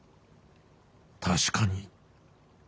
確かに。